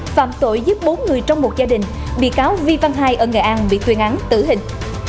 phạm tội giúp bốn người trong một gia đình bị cáo vi văn hai ở nghệ an bị tuyên án tử hình